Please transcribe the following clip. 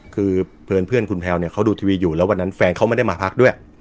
คือเพื่อนคุณแพลวเนี่ยเขาดูทีวีอยู่แล้ววันนั้นแฟนเขาไม่ได้มาพักด้วย